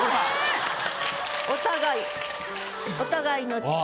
「お互い」「お互いの遅刻」。